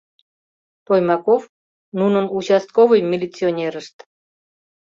Тоймаков — нунын участковый милиционерышт.